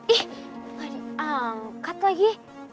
ih gak diangkat lagi